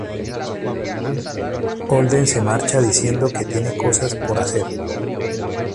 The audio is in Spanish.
Holden se marcha diciendo que tiene cosas por hacer.